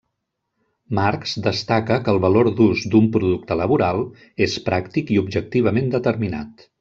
Marx destaca que el valor d'ús d'un producte laboral és pràctic i objectivament determinat.